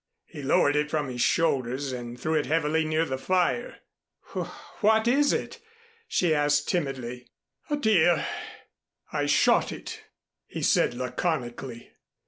He lowered it from his shoulders and threw it heavily near the fire. "W what is it?" she asked timidly. "A deer. I shot it," he said laconically.